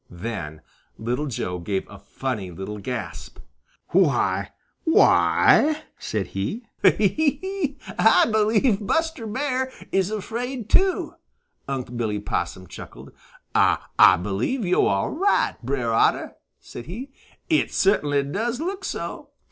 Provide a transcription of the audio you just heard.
Then Little Joe gave a funny little gasp. "Why, why e e!" said he, "I believe Buster Bear is afraid too!" Unc' Billy Possum chuckled. "Ah believe yo' are right again, Brer Otter," said he. "It cert'nly does look so.